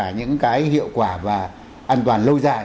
mà kể cả những cái hiệu quả và an toàn lâu dài